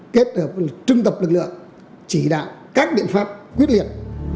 kết hợp trưng tập lực lượng chỉ đạo các biện pháp quyết liệt